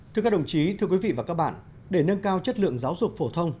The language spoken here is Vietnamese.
thưa các đồng chí thưa quý vị và các bạn để nâng cao chất lượng giáo dục phổ thông